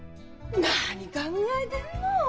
何考えてんの！